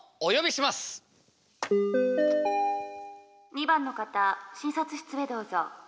「２番の方診察室へどうぞ。」